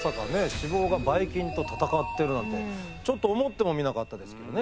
脂肪がバイ菌と戦ってるなんてちょっと思ってもみなかったですけどね